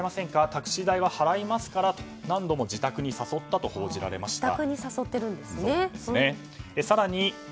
タクシー代は払いますからと何度も自宅に誘ったと報じられました。